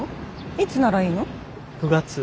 いつならいいの？９月。